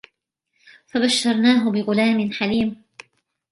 فَبَشَّرْنَاهُ بِغُلَامٍ حَلِيمٍ